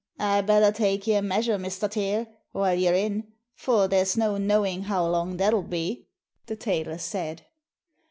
'I batter take yer measure, Mr. Teare, while yer in, for there's no knowin' how long that'll be,' the tailor said.